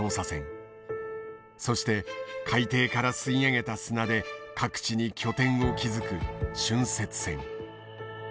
そして海底から吸い上げた砂で各地に拠点を築く浚渫船。